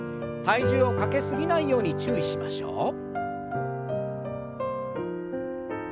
体重をかけ過ぎないように注意しましょう。